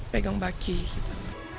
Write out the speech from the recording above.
pegang baki gitu